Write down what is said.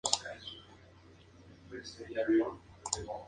En la economía, sería crucial la presencia del mineral de hierro.